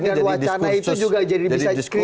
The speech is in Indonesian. untuk kemukakan untuk kuayain yang jadi diskursus